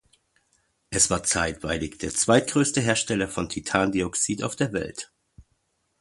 Es war zeitweilig der zweitgrößte Hersteller von Titandioxid auf der Welt.